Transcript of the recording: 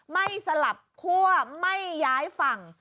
สลับคั่วไม่ย้ายฝั่ง